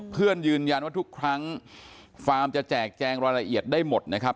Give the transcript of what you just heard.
ยืนยันว่าทุกครั้งฟาร์มจะแจกแจงรายละเอียดได้หมดนะครับ